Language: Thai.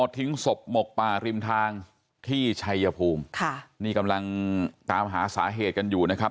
ทิ้งศพหมกป่าริมทางที่ชัยภูมิค่ะนี่กำลังตามหาสาเหตุกันอยู่นะครับ